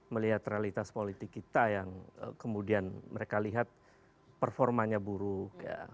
melihat realitas politik kita yang kemudian mereka lihat performanya buruk ya